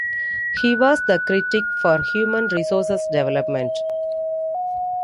He was the critic for Human Resources Development.